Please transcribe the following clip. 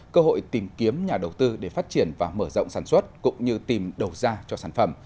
cơ hội tìm kiếm nhà đầu tư để phát triển và mở rộng sản xuất cũng như tìm đầu ra cho sản phẩm